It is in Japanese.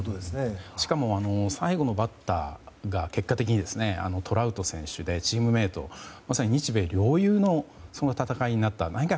しかも最後のバッターが結果的にトラウト選手でチームメートまさに日米両雄の戦いになった。